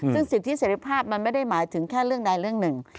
ซึ่งสิทธิเสร็จภาพมันไม่ได้หมายถึงแค่เรื่องใดเรื่องหนึ่ง